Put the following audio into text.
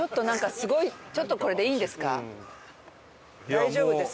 大丈夫ですか？